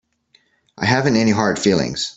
I haven't any hard feelings.